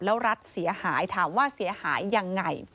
แล้วรัฐเสียหายถามว่าเสียหายยังไง